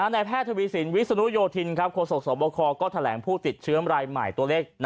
แพทย์ทวีสินวิศนุโยธินโคศกสวบคก็แถลงผู้ติดเชื้อรายใหม่ตัวเลข